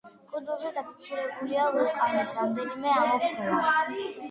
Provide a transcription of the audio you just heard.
კუნძულზე დაფიქსირებულია ვულკანის რამდენიმე ამოფრქვევა.